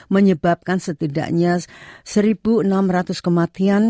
menyebabkan setidaknya satu enam ratus kematian